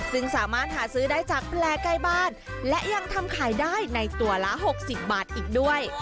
ซึ่งสามารถหาซื้อได้จากแปลใกล้บ้านและยังทำขายได้ในตัวละ๖๐บาทอีกด้วย